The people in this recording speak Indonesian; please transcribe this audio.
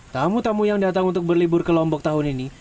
tamu tamu yang datang untuk berlibur ke lombok tahun ini